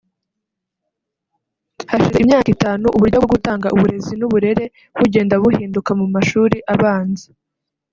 Hashize imyaka itanu uburyo bwo gutanga uburezi n’uburere bugenda buhinduka mu mashuri abanza